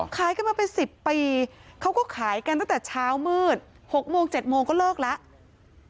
ขายกันมาเป็น๑๐ปีเขาก็ขายกันตั้งแต่เช้ามืด๖โมง๗โมงก็เลิกแล้ว